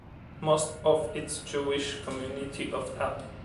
Most of its Jewish community of app.